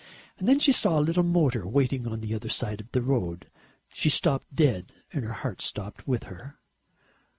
And then she saw a little motor waiting on the other side of the road. She stopped dead and her heart stopped with her.